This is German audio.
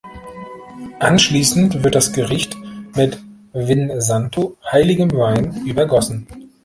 Anschließend wird das Gericht mit Vin Santo, heiligem Wein, übergossen.